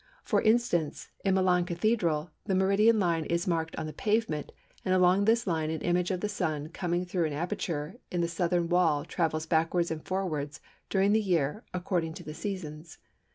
For instance, in Milan Cathedral the meridian line is marked on the pavement, and along this line, an image of the Sun coming through an aperture in the southern wall travels backwards and forwards during the year according to the seasons.